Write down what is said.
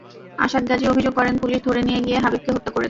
আসাদ গাজী অভিযোগ করেন, পুলিশ ধরে নিয়ে গিয়ে হাবিবকে হত্যা করেছে।